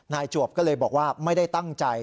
จวบก็เลยบอกว่าไม่ได้ตั้งใจ